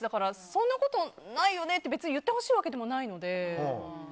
そんなことないよねって言ってほしいわけでもないので。